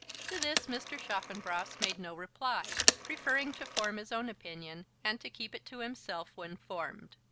To this Mr. Chaffanbrass made no reply, preferring to form his own opinion, and to keep it to himself when formed.